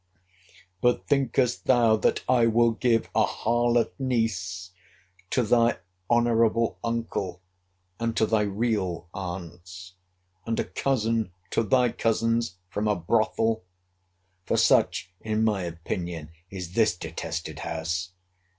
But thinkest thou, that I will give a harlot niece to thy honourable uncle, and to thy real aunts; and a cousin to thy cousins from a brothel? for such, in my opinion, is this detested house!